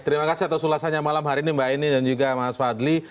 terima kasih atas ulasannya malam hari ini mbak eni dan juga mas fadli